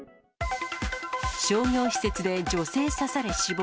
商業施設で女性刺され死亡。